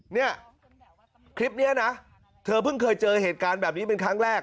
เนี่ยคลิปนี้นะเธอเพิ่งเคยเจอเหตุการณ์แบบนี้เป็นครั้งแรก